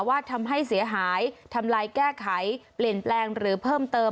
ว่าทำให้เสียหายทำลายแก้ไขเปลี่ยนแปลงหรือเพิ่มเติม